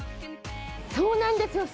そうなんですよ